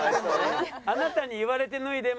あなたに言われて脱いでます